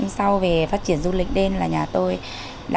sau về phát triển du lịch đến là nhà tôi đã